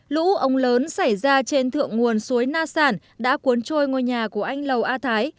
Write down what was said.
lũ ống lớn xảy ra trên thượng nguồn suối na sản đã cuốn trôi ngôi nhà của anh lầu a thái